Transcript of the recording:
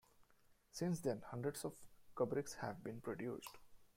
Since then, hundreds of Kubricks have been produced.